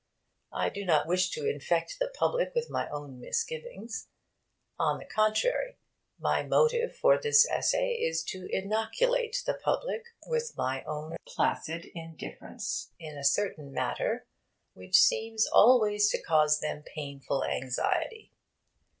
I do not wish to infect the public with my own misgivings. On the contrary, my motive for this essay is to inoculate the public with my own placid indifference in a certain matter which seems always to cause them painful anxiety.